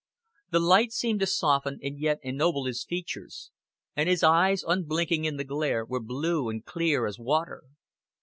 The light seemed to soften and yet ennoble his features, and his eyes, unblinking in the glare, were blue and clear as water.